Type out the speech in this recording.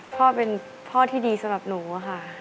พ่อเป็นพ่อที่ดีสำหรับหนูค่ะ